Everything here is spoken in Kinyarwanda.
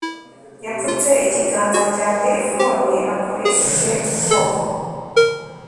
yapfutse ikiganza cya terefone akoresheje ukuboko